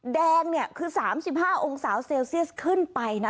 แดงเนี่ยคือ๓๕องศาเซลเซียสขึ้นไปนะ